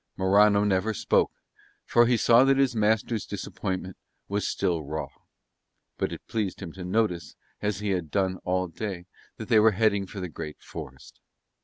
Morano never spoke, for he saw that his master's disappointment was still raw; but it pleased him to notice, as he had done all day, that they were heading for the great forest.